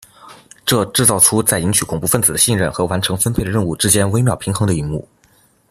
这制造出在赢取恐怖份子的信任和完成分配的任务之间微妙平衡的一幕。